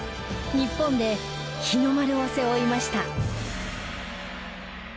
日本で日の丸を背負いました。